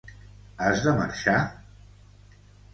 Has de marxar?